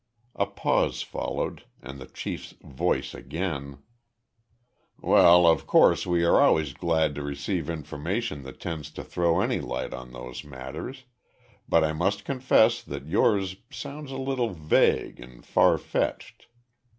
A pause followed and the chief's voice again: "Well, of course we are always very glad to receive information that tends to throw any light on those matters, but I must confess that yours sounds a little vague and far fetched.